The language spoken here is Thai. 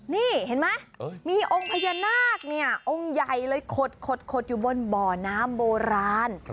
นี่เห็นไหมมีองค์พญานาคเนี่ยองค์ใหญ่เลยขดอยู่บนบ่อน้ำโบราณ